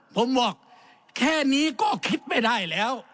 ผมบอกแค่นี้ก็คิดไม่ได้แล้ว